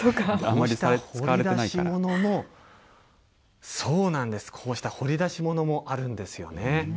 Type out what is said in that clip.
掘り出し物の、そうなんです、こうした掘り出し物もあるんですよね。